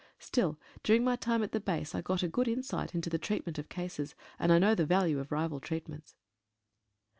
Still, dur ing my time at the base, I got a good insight into the treatment of cases, and I know the value of rival treat ments.